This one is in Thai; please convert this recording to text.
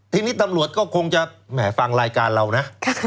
ทีนี้ตำรวจก็คงจะแหมฟังรายการเรานะ